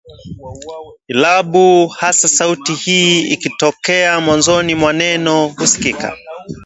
irabu hasa sauti hii ikitokea mwanzoni mwa neno husika